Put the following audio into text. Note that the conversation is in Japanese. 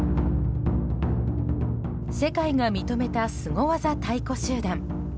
世界が認めたスゴ技太鼓集団。